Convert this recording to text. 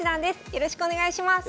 よろしくお願いします。